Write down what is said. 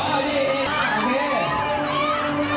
แอวแอวแอว